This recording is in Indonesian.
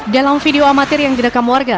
dalam video amatir yang direkam warga